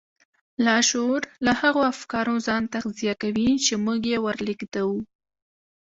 لاشعور له هغو افکارو ځان تغذيه کوي چې موږ يې ور لېږدوو.